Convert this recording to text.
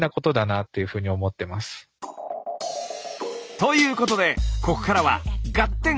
ということでここからは「ガッテン！」